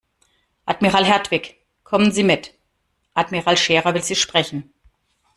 Admiral Hertwig, kommen Sie mit, Admiral Scherer will Sie sprechen.